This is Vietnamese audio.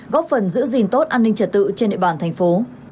góp phần giữ gìn tốt an ninh trật tự trên địa bàn thành phố